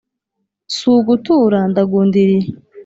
Si ugutura ndagundiriye